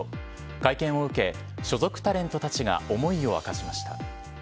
会見を受け所属タレントたちが思いを明かしました。